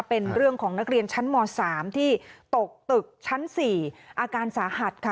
เป็นเรื่องของนักเรียนชั้นม๓ที่ตกตึกชั้น๔อาการสาหัสค่ะ